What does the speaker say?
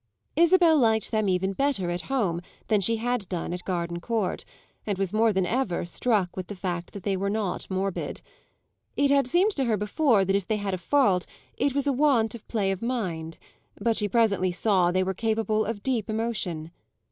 Isabel liked them even better at home than she had done at Gardencourt, and was more than ever struck with the fact that they were not morbid. It had seemed to her before that if they had a fault it was a want of play of mind; but she presently saw they were capable of deep emotion.